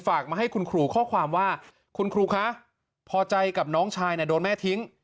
มาให้คุณครูข้อความว่าคุณครูคะพอใจกับน้องชายโดนแม่ทิ้ง